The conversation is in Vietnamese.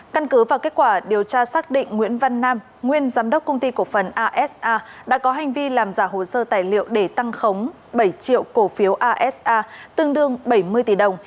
căn cứ vào kết quả điều tra xác định nguyễn văn nam nguyên giám đốc công ty cổ phần asa đã có hành vi làm giả hồ sơ tài liệu để tăng khống bảy triệu cổ phiếu asa tương đương bảy mươi tỷ đồng